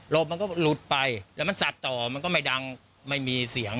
มันก็หลุดไปแล้วมันสัดต่อมันก็ไม่ดังไม่มีเสียง